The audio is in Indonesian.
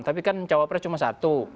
tapi kan cawapres cuma satu